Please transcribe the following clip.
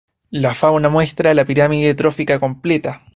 La fauna muestra la pirámide trófica completa.